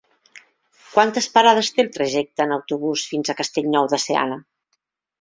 Quantes parades té el trajecte en autobús fins a Castellnou de Seana?